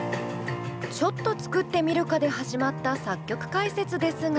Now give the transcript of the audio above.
ちょっと作ってみるかで始まった作曲解説ですが。